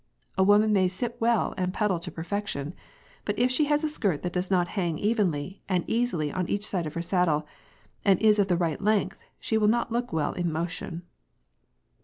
A woman may sit well and pedal to perfection, but if she has a skirt that does not hang evenly and easily on each side of her saddle, and is of the right length, she will not look well in motion.